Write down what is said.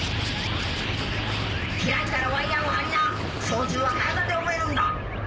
・開いたらワイヤを張りな操縦は体で覚えるんだ・